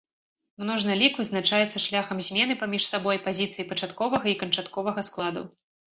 Множны лік вызначаецца шляхам змены паміж сабой пазіцый пачатковага і канчатковага складаў.